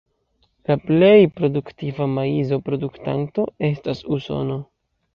La plej produktiva maizo-produktanto estas Usono.